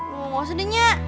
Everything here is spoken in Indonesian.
mau gausah deh nya